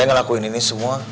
saya ngelakuin ini semua